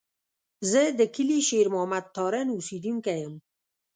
زه د کلي شېر محمد تارڼ اوسېدونکی یم.